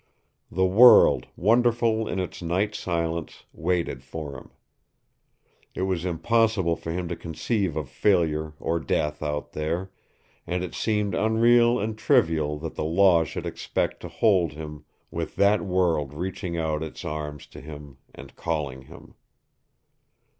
The world, wonderful in its night silence, waited for him. It was impossible for him to conceive of failure or death out there, and it seemed unreal and trivial that the Law should expect to hold him, with that world reaching out its arms to him and calling him.